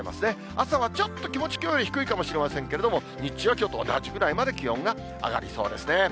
朝はちょっと気持ち、きょうより低いかもしれませんけれども、日中はきょうと同じぐらいまで気温が上がりそうですね。